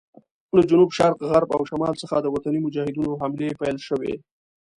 له جنوب شرق، غرب او شمال څخه د وطني مجاهدینو حملې پیل شوې.